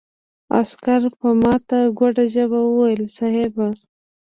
عسکر په ماته ګوډه ژبه وويل: صېب!